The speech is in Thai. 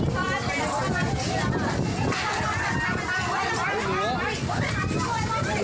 ท่องเที่ยวนั้นคุณผู้ชมมารกด้วย